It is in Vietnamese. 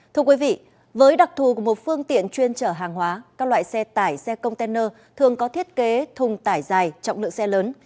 thưa quý vị với đặc thù của một phương tiện chuyên trở hàng hóa các loại xe tải xe container thường có thiết kế thùng tải dài trọng lượng xe lớn